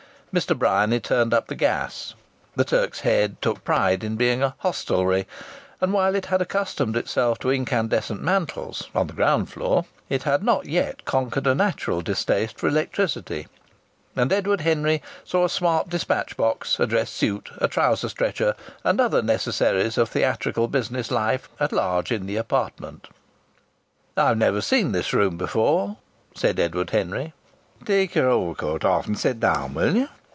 Mr. Bryany turned up the gas the Turk's Head took pride in being a "hostelry," and, while it had accustomed itself to incandescent mantles (on the ground floor), it had not yet conquered a natural distaste for electricity and Edward Henry saw a smart dispatch box, a dress suit, a trouser stretcher and other necessaries of theatrical business life at large in the apartment. "I've never seen this room before," said Edward Henry. "Take your overcoat off and sit down, will you?"